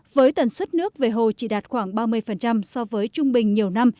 với tần suất nước về hồ chỉ đạt khoảng ba mươi so với trung bình nhiều năm